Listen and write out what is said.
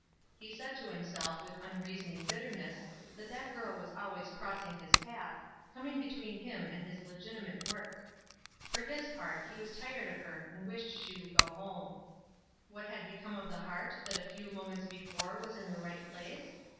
He said to himself, w 7 ith un reasoning bitterness, that that girl w T as always crossing his path, coming between him and his legitimate work ; for his part, he w T as tired of her, and wished she would go home. What had become of the heart that a few moments before was in the right place?